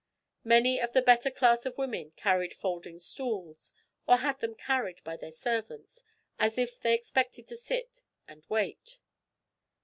Many of the better class of women carried folding stools, or had them carried by their servants, as if they expected to sit and wait.